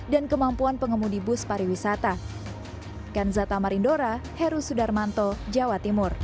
dan kemampuan pengemudi bus pariwisata